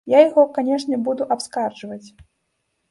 Я яго, канешне, буду абскарджваць.